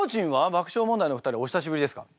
爆笑問題のお二人お久しぶりですか？